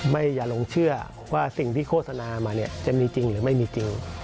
อย่าลงเชื่อว่าสิ่งที่โฆษณามาเนี่ยจะมีจริงหรือไม่มีจริง